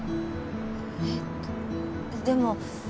えっでも。